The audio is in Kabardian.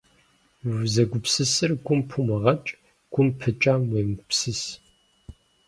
Узэгупсысыр гум пумыгъэкӏ, гум пыкӏам уемыгупсыс.